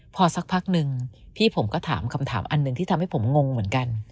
พอสักพักนึงพี่ผมก็ถามคำถามอันหนึ่งที่ทำให้ผมงงเหมือนกัน